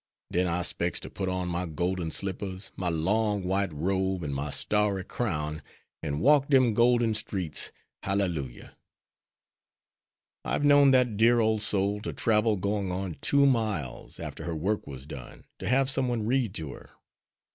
Den I specs to put on my golden slippers, my long white robe, an' my starry crown, an' walk dem golden streets, Hallelujah!' I've known that dear, old soul to travel going on two miles, after her work was done, to have some one read to her.